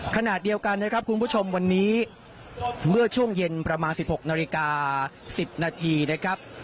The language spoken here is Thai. ขณะเดียวกันนะครับคุณผู้ชมวันนี้เมื่อช่วงเย็นประมาณ๑๖นาฬิกา๑๐นาทีนะครับ